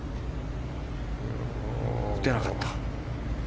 打てなかった。